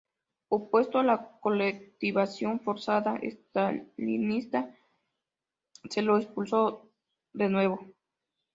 Opuesto a la colectivización forzada estalinista, se lo expulsó de nuevo.